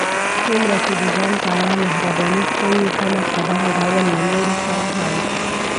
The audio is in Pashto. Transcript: څومره چې د ځان په اړه محرباني ښيې، په ناخبره ډول له نورو سره هم